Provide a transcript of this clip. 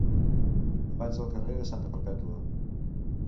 Vaig al carrer de Santa Perpètua.